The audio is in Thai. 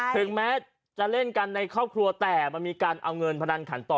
ถึงแม้จะเล่นกันในครอบครัวแต่มันมีการเอาเงินพนันขันต่อ